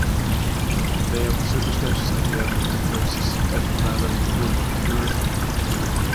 They have the superstitious idea that the priests, if offended, would procure it.